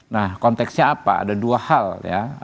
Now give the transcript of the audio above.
nah konteksnya apa ada dua hal ya